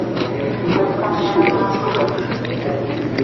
Twekkaanya n'amaaso gaffe.